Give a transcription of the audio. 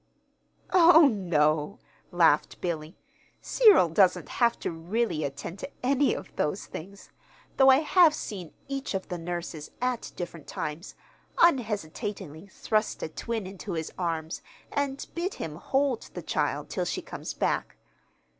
"Oh, no," laughed Billy; "Cyril doesn't have to really attend to any of those things though I have seen each of the nurses, at different times, unhesitatingly thrust a twin into his arms and bid him hold the child till she comes back.